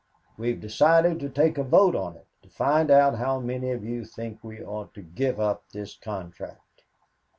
We have decided to take a vote on it, to find out how many of you think we ought to give up this contract.